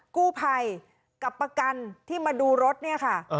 กู้ภัยกับประกันที่มาดูรถเนี่ยค่ะ